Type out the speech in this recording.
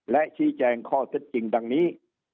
และชี้แจงข้อเท็จจริงดังนี้